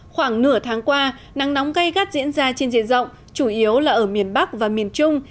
khoảng nửa tháng qua nắng nóng gây gắt diễn ra trên diện rộng chủ yếu là ở miền bắc và miền trung